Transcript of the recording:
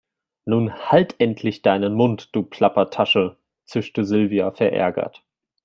Nun halt endlich deinen Mund, du Plappertasche, zischte Silvia verärgert.